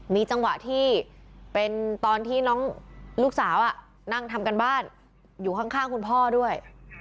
มีจังหวะที่เป็นตอนที่น้องลูกสาวนั่งทำการบ้านอยู่ข้างคุณพ่อด้วย